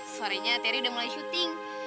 sorenya teri udah mulai syuting